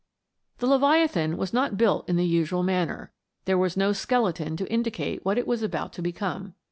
The Leviathan was not built in the usual manner ; there was no skeleton to indicate what it was about to become.